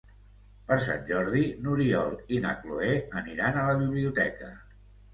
Per Sant Jordi n'Oriol i na Cloè aniran a la biblioteca.